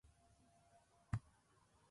ルイボスティー